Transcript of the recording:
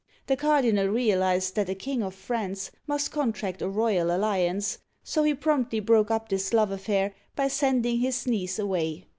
The cardinal realized that a King of France must contract a royal alliance, so he promptly broke up this love affair by sending his niece away.